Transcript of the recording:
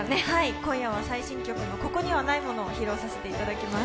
今夜は最新曲の「ここにはないもの」を披露させていただきます。